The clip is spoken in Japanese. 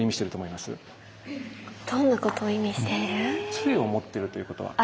杖を持っているということは？